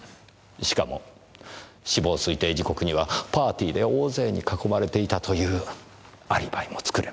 しかも死亡推定時刻にはパーティーで大勢に囲まれていたというアリバイも作れます。